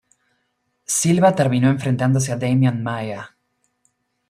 Silva terminó enfrentándose a Demian Maia.